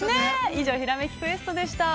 ◆以上「ひらめきクエスト」でした。